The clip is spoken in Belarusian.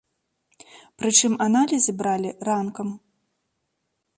Прычым аналізы бралі ранкам.